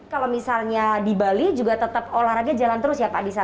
kalau misalnya di bali juga tetap olahraga jalan terus ya pak di sana